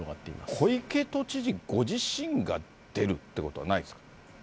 小池都知事ご自身が出るってことはないですか？